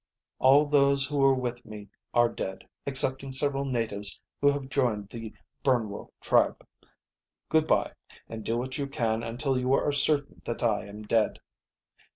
"All those who were with me are dead excepting several natives who have joined the Burnwo tribe. "Good by, and do what you can until you are certain that I am dead.